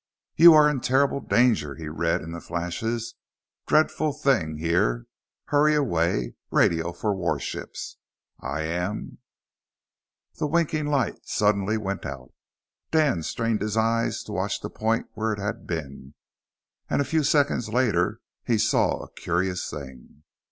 "You are in terrible danger," he read in the flashes. "Dreadful thing here. Hurry away. Radio for warships. I am " The winking light suddenly went out. Dan strained his eyes to watch the point where it had been, and a few seconds later he saw a curious thing.